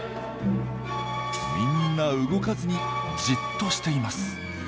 みんな動かずにじっとしています。